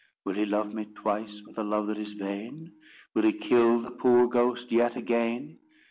"Will he love me twice with a love that is vain? Will he kill the poor ghost yet again?